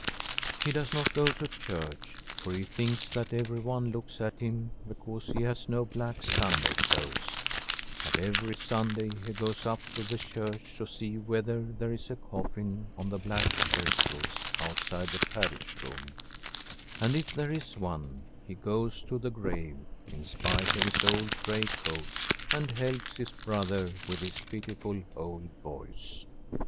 He does not go to church, for he thinks that everyone looks at him because he has no black Sunday clothes; but every Sunday he goes up to the church to see whether there is a coffin on the black trestles outside the parish room ; and if there is one he goes to the grave, in spite of his old gray coat, and helps his brother with his piti ful old voice.